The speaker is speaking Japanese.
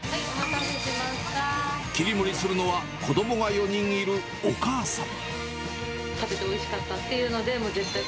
切り盛りするのは、子どもが４人いるお母さん。